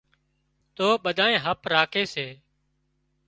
تو ٻڌانئي هپ راکي سي